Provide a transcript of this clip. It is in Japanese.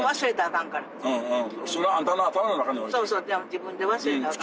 自分で忘れたらあかん。